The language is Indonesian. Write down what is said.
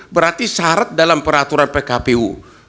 berarti syarat dalam peraturan pkpu